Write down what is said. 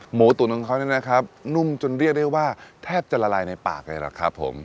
หมูตุ๋นของเขาเนี่ยนะครับนุ่มจนเรียกได้ว่าแทบจะละลายในปากเลยล่ะครับผม